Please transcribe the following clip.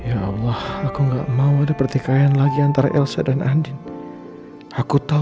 ya allah aku gak mau ada pertikaian lagi antara elsa dan andin aku tahu